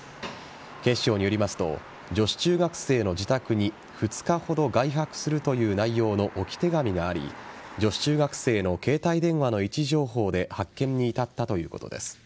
警視庁によりますと女子中学生の自宅に２日ほど外泊するという内容の置き手紙があり女子中学生の携帯電話の位置情報で発見に至ったということです。